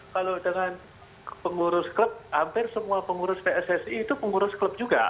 kalau dengan pengurus klub hampir semua pengurus pssi itu pengurus klub juga